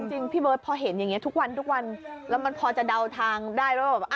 แต่จริงพี่เบิ้ลพอเห็นแบบนี้ทุกวันทุกวันแล้วมันพอจะเดาทางได้เรื่องว่า